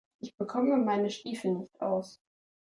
Ich bekomme meine Stiefel nicht aus.